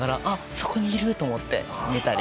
そこにいると思って見たり。